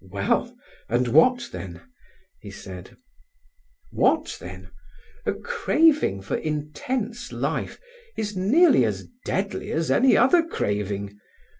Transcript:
"Well, and what then?" he said. "What then? A craving for intense life is nearly as deadly as any other craving.